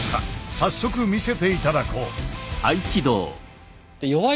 早速見せて頂こう。